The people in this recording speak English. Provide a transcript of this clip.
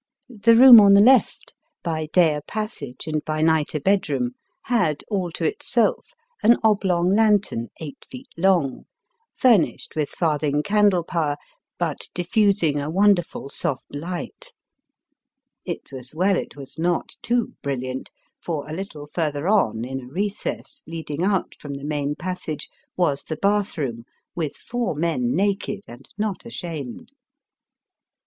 The room on the left, by day a passage and by night Digitized by VjOOQIC 276 BAST BY WES1V : a bedroom, had, all to itself, an oblong lantern eight feet long, famished with farthing candle power, but diffusing a wonderful soft light. It was well it was not too brilliant, for a little further on, in a recess, leading out of the main passage, was the bath room with four men naked and not ashamed.